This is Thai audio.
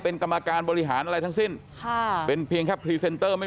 เป็นกรรมการบริหารอะไรทั้งสิ้นค่ะเป็นเพียงแค่พรีเซนเตอร์ไม่